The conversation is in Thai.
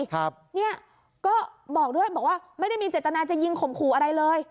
ครับเนี่ยก็บอกด้วยบอกว่าไม่ได้มีเจตนาจะยิงข่มขู่อะไรเลย